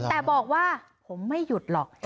แต่บอกว่าผมไม่หยุดหรอก